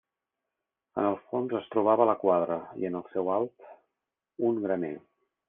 En el fons es trobava la quadra i en el seu alt un graner.